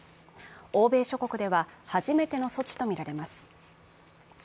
欧米諸国では初めての措置とみられます。